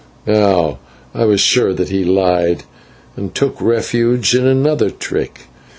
Now, I was sure that he lied, and took refuge in another trick.